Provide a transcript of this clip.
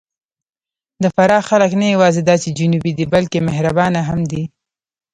د فراه خلک نه یواځې دا چې جنوبي دي، بلکې مهربانه هم دي.